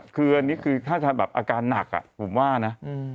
คืออันนี้คือถ้าจะแบบอาการหนักผมว่านะ